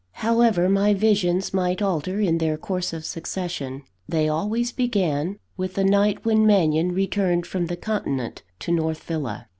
However my visions might alter in their course of succession, they always began with the night when Mannion returned from the continent to North Villa.